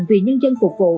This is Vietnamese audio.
tùy nhân dân phục vụ